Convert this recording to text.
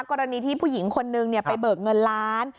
กรณีที่ผู้หญิงคนนึงไปเบิกเงินล้าน